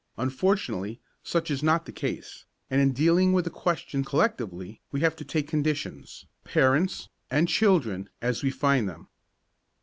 Unfortunately, such is not the case, and in dealing with the question collectively we have to take conditions, parents and children as we find them.